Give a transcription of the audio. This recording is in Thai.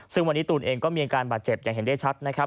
ซึ่งวันนี้ตูนเองก็มีอาการบาดเจ็บอย่างเห็นได้ชัดนะครับ